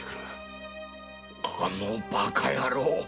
あのバカ野郎！